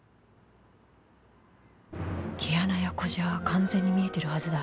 「毛穴や小じわは完全に見えてるはずだ。